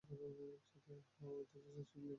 একসাথে অর্ধ ডজন শিব লিঙ্গ বিদ্যমান।